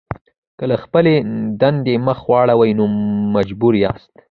که له خپلې دندې مخ واړوئ نو مجبور یاست.